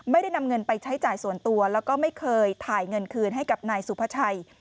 ไม่ได้นำเงินไปใช้จ่ายส่วนตัวแล้วก็ไม่เคยถ่ายเงินคืนให้กับนายสุภาชัย